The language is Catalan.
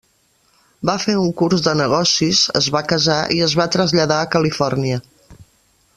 Va fer un curs de negocis, es va casar i es va traslladar a Califòrnia.